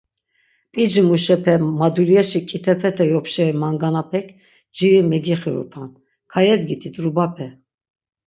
P̆ici muşepe madulyeşi k̆itepete yopşeri manganapek nciri megixirupan, kayedgitit rubape.